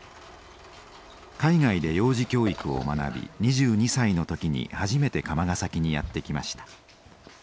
海外で幼児教育を学び２２歳の時に初めて釜ヶ崎にやって来ました。